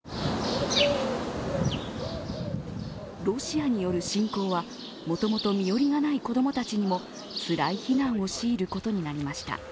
ロシアによる侵攻はもともと身寄りがない子供たちにもつらい避難を強いることになりました。